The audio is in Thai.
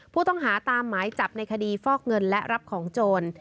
ผู้ต้องหาตามหมายจับในคดีฟอกเงินและรับของโจร